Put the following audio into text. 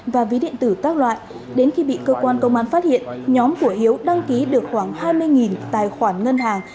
và ví điện tử các loại đến khi bị cơ quan công an phát hiện nhóm của hiếu đăng ký được khoảng hai mươi tài khoản ngân hàng